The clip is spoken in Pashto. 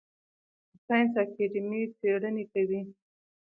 د ساینس اکاډمي څیړنې کوي؟